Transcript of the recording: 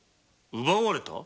奪われた？